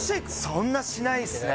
そんなしないっすね